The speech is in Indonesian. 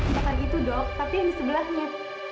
bukan itu dok tapi yang di sebelahnya